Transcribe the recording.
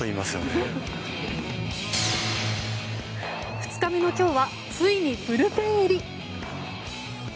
２日目の今日はついにブルペン入り。